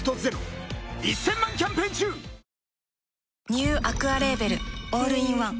ニューアクアレーベルオールインワン